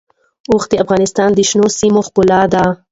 اوښ د افغانستان د شنو سیمو ښکلا ده.